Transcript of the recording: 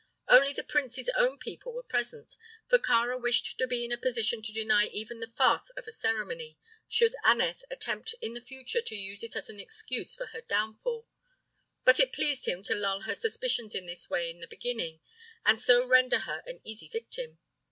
Only the prince's own people were present, for Kāra wished to be in a position to deny even the farce of a ceremony, should Aneth attempt in the future to use it as an excuse for her downfall. But it pleased him to lull her suspicions in this way in the beginning, and so render her an easy victim.